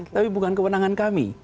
tapi bukan kewenangan kami